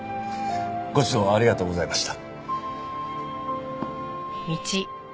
ご指導ありがとうございました。